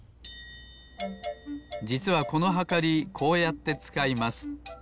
じつはこのはかりこうやってつかいます。